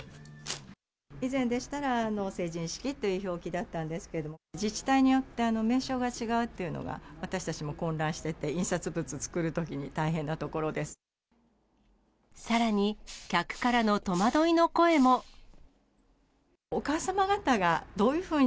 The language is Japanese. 以前でしたら、成人式という表記だったんですけど、自治体によって、名称が違うというのが、私たちも混乱してて、印刷物作るときに大さらに、客からの戸惑いの声お母様方が、どういうふうに、